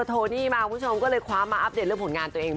โทนี่มาคุณผู้ชมก็เลยคว้ามาอัปเดตเรื่องผลงานตัวเอง